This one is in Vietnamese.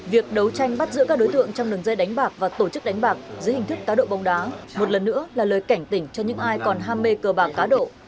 việc đấu tranh bắt giữa các đối tượng trong đường dây đánh bạc và tổ chức đánh bạc dưới hình thức cá độ bóng đá một lần nữa là lời cảnh tỉnh cho những ai còn ham mê cờ bạc cá độ